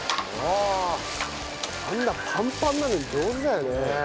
あんなパンパンなのに上手だよね。